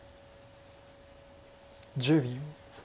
１０秒。